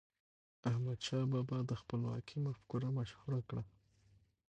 احمدشاه بابا د خپلواکی مفکوره پیاوړې کړه.